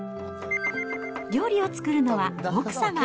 料理を作るのは奥様。